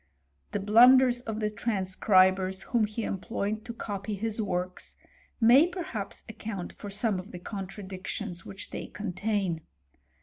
The blunders of the transcribers whom he employed to copy his works, may perhaps account for some of the contradictions which they contain.